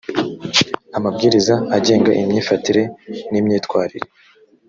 amabwiriza agenga imyifatire n imyitwarire